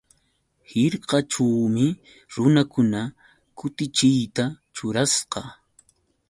Hirkaćhuumi runakuna kutichiyta ćhurasqa.